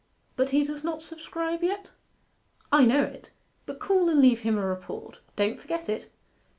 'But he does not subscribe yet?' 'I know it; but call and leave him a report. Don't forget it.